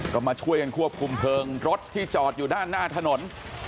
ก็มาช่วยกันควบคุมเพลิงรถที่จอดอยู่ด้านหน้าถนน